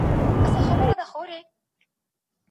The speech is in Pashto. موږ کولای سو له ډاره ماڼۍ ړنګه کړو.